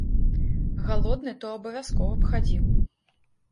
Галодны то абавязкова б хадзіў.